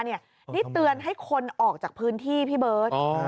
นี่เตือนให้คนออกจากพื้นที่พี่เบิร์ต